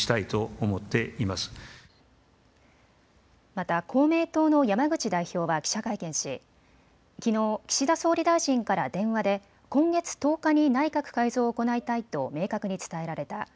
また公明党の山口代表は記者会見しきのう岸田総理大臣から電話で今月１０日に内閣改造を行いたいと明確に伝えられた。